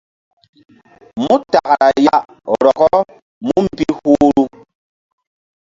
Mu takra ya rɔkɔ mú mbi huhru.